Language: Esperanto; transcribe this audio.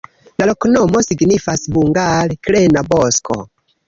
La loknomo signifas hungare: krena-bosko.